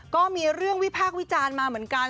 ก็มีเรื่องวิพากษ์วิจารณ์มาเหมือนกัน